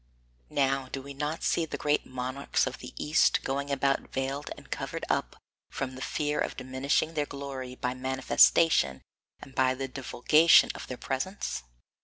Now do we not see the great monarchs of the East going about veiled and covered up from the fear of diminishing their glory by the manifestation and the divulgation of their presence?